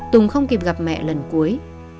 tùng không kịp gặp mẹ lần cuối